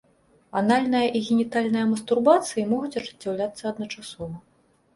Анальная і генітальная мастурбацыі могуць ажыццяўляцца адначасова.